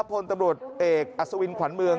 พลตำรวจเอกอัศวินขวัญเมือง